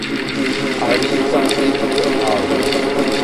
Arita et al.